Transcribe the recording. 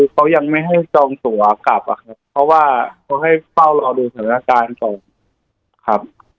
เขายังไม่ให้จองตัวกลับอะครับเพราะว่าเขาให้เฝ้ารอดูสถานการณ์ส่งครับ